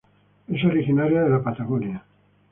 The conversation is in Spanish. Es originaria de la Patagonia.